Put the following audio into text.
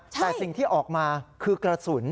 แต่สิ่งที่ออกมาคือกระสุน